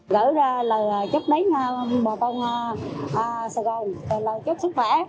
gỡ ra lời chúc đến bà con sài gòn lời chúc sức khỏe